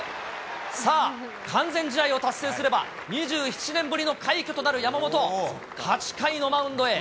さあ、完全試合を達成すれば、２７年ぶりの快挙となる山本、８回のマウンドへ。